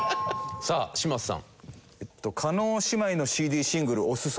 さあ嶋佐さん。